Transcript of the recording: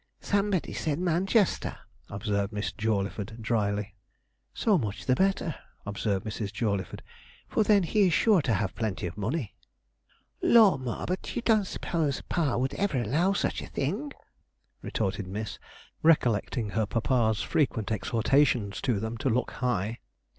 'Somebody said Manchester,' observed Miss Jawleyford drily. 'So much the better,' observed Mrs. Jawleyford, 'for then he is sure to have plenty of money.' 'Law, ma! but you don't s'pose pa would ever allow such a thing,' retorted Miss, recollecting her papa's frequent exhortations to them to look high.